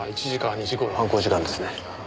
犯行時間ですね。